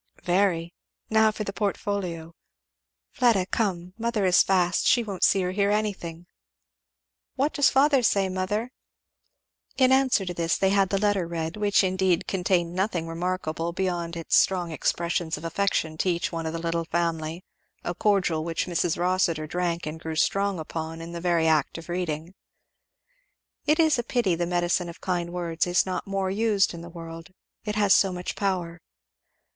"Very. Now for the portfolio, Fleda come! mother is fast; she won't see or hear anything. What does father say, mother?" In answer to this they had the letter read, which indeed contained nothing remarkable beyond its strong expressions of affection to each one of the little family; a cordial which Mrs. Rossitur drank and grew strong upon in the very act of reading. It is pity the medicine of kind words is not more used in the world it has so much power.